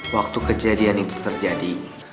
waktu kejadian itu terjadi